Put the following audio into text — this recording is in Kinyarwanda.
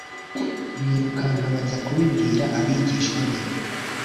birukanka bajya kubibwira abigishwa be.